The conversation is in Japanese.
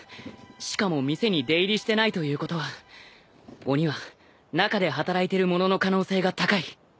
しかも店に出入りしてないということは鬼は中で働いてる者の可能性が高い。